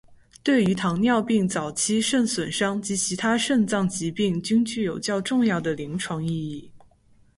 对于糖尿病早期肾损伤及其他肾脏疾病均具有较重要的临床意义。